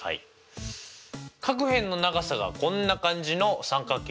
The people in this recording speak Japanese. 各辺の長さがこんな感じの三角形